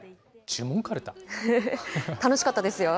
楽しかったですよ。